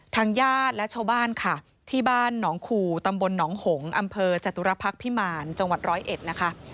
ทางญาติและชาวบ้านค่ะที่บ้านหนองขู่ตำบลหนองหงษ์อำเภอจตุรพักษ์พิมารจังหวัดร้อยเอ็ดนะคะ